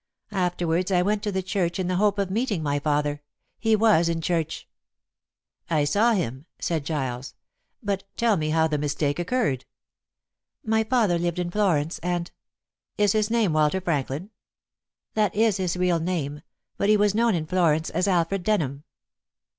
Afterwards I went to the church in the hope of meeting my father. He was in church." "I saw him," said Giles; "but tell me how the mistake occurred." "My father lived in Florence, and " "Is his name Walter Franklin?" "That is his real name; but he was known in Florence as Alfred Denham."